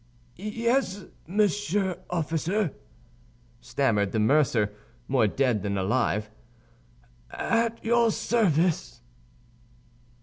"Yes, Monsieur Officer," stammered the mercer, more dead than alive, "at your service."